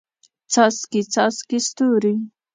څاڅکي، څاڅکي ستوري